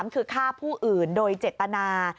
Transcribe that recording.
คือฆ่าผู้อื่นโดยเจตนา